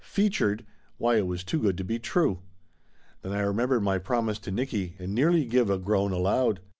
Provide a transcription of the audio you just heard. Featured! Why, it was too good to be true! Then I remembered my promise to Nicky, and nearly give a groan aloud.